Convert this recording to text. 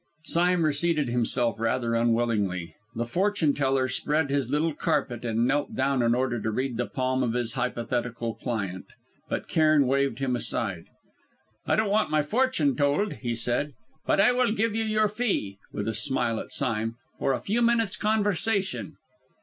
Sime reseated himself rather unwillingly. The fortune teller spread his little carpet and knelt down in order to read the palm of his hypothetical client, but Cairn waved him aside. "I don't want my fortune told!" he said; "but I will give you your fee," with a smile at Sime "for a few minutes' conversation."